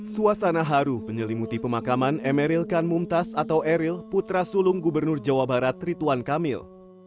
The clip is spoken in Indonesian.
suasana haru menyelimuti pemakaman emeril kan mumtaz atau eril putra sulung gubernur jawa barat rituan kamil